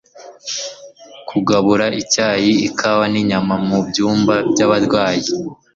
Kugabura Icyayi Ikawa nInyama mu Byumba byAbarwayi